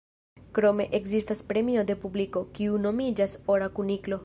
Krome ekzistas premio de publiko, kiu nomiĝas Ora Kuniklo.